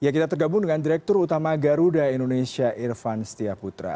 kita tergabung dengan direktur utama garuda indonesia irfan setia putra